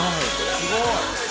すごい。